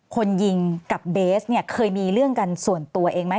คนยิงกับเบสเนี่ยเคยมีเรื่องกันส่วนตัวเองไหม